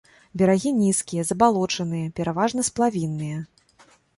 Берагі нізкія, забалочаныя, пераважна сплавінныя.